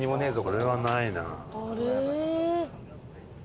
これはないな。